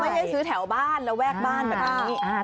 ไม่ให้ซื้อแถวบ้านแล้วแวกบ้านไปบ้าง